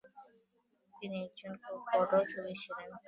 তিনি একজন খুব বড় যোগী ছিলেন।